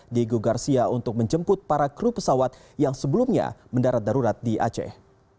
diego garsia untuk menjemput para kru pesawat yang sebelumnya mendarat darurat di aceh